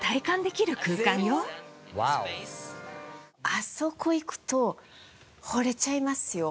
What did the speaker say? あそこ行くと惚れちゃいますよ。